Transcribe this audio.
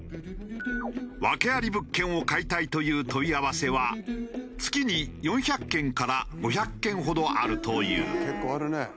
訳あり物件を買いたいという問い合わせは月に４００件から５００件ほどあるという。